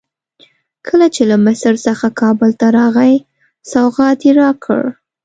کله چې له مصر څخه کابل ته راغی سوغات یې راکړ.